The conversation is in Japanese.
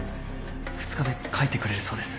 ２日で描いてくれるそうです。